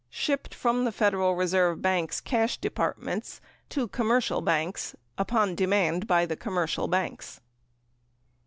Shipped from the Federal Reserve banks (cash departments) to com mercial banks upon demand by the commercial banks.